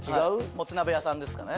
もつ鍋屋さんですかね。